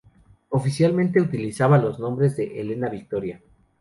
Oficialmente utilizaba los nombres de "Elena Victoria".